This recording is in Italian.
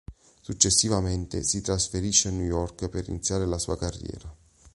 Successivamente si trasferisce a New York per iniziare la sua carriera.